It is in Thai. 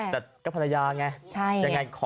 แต่ก็ภรรยาไง